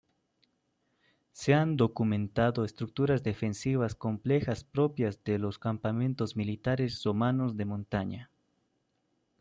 Se han documentado estructuras defensivas complejas propias de los campamentos militares romanos de montaña.